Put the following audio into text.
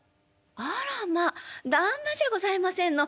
あらまっ旦那じゃございませんの。